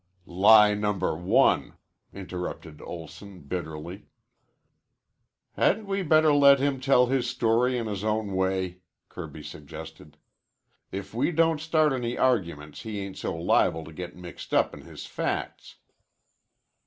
"Lie number one," interrupted Olson bitterly. "Hadn't we better let him tell his story in his own way?" Kirby suggested. "If we don't start any arguments he ain't so liable to get mixed up in his facts."